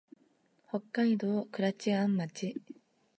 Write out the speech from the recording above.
北海道倶知安町